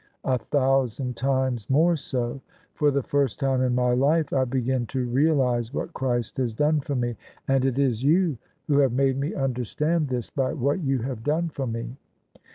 "" A thousand times more so. For the first time in my life I begin to realise what Christ has done for me: and it is you who have made me understand this by what you have done for me."